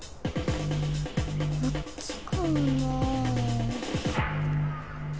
こっちかもなあ。